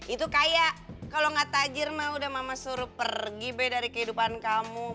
itu kayak kalau gak tajir mah udah mama suruh pergi be dari kehidupan kamu